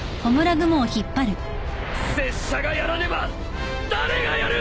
拙者がやらねば誰がやる！？